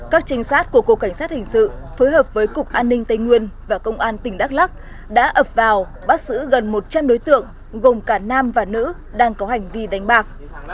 các trinh sát của cục cảnh sát hình sự phối hợp với cục an ninh tây nguyên và công an tỉnh đắk lắc đã ập vào bắt giữ gần một trăm linh đối tượng gồm cả nam và nữ đang có hành vi đánh bạc